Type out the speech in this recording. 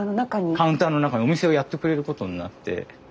カウンターの中にお店をやってくれることになって。